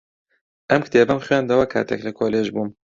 ئەم کتێبەم خوێندەوە کاتێک لە کۆلێژ بووم.